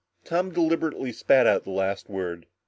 Tom deliberately spat out the last word.